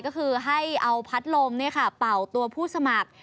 ก็คือให้เอาพัดลมเป่าตัวผู้สมัคร